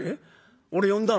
俺呼んだの？」。